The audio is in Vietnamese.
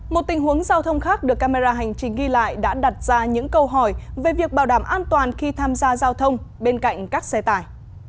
một tình huống giao thông khác được camera hành trình ghi lại đã đặt ra những câu hỏi về việc bảo đảm an toàn khi tham gia giao thông bên cạnh các xe tải